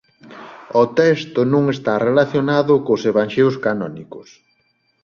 O texto non está relacionado cos Evanxeos canónicos.